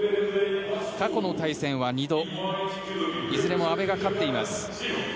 過去の対戦は２度いずれも阿部が勝っています。